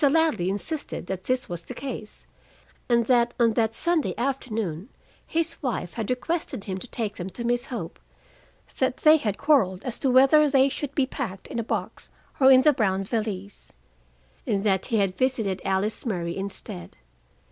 Ladley insisted that this was the case, and that on that Sunday afternoon his wife had requested him to take them to Miss Hope; that they had quarreled as to whether they should be packed in a box or in the brown valise, and that he had visited Alice Murray instead.